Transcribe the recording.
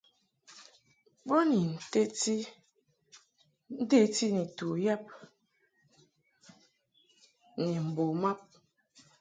Bo ni nteti ni tu yab ni mbo mab.